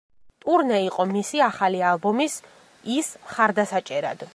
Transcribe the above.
ტურნე იყო მისი ახალი ალბომის, –ის მხარდასაჭერად.